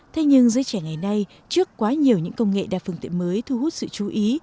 thế nhưng giới trẻ ngày nay trước quá nhiều những công nghệ đa phương tiện mới thu hút sự chú ý